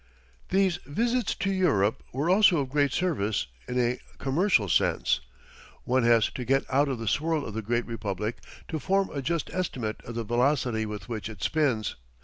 These visits to Europe were also of great service in a commercial sense. One has to get out of the swirl of the great Republic to form a just estimate of the velocity with which it spins.